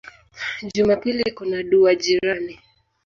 Juma pili kuna dua jirani.